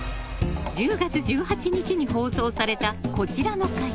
１０月１８日に放送されたこちらの回。